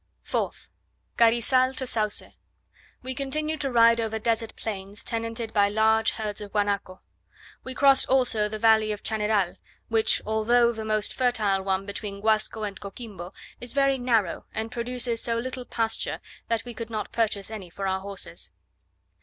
4th. Carizal to Sauce. We continued to ride over desert plains, tenanted by large herds of guanaco. We crossed also the valley of Chaneral; which, although the most fertile one between Guasco and Coquimbo, is very narrow, and produces so little pasture, that we could not purchase any for our horses.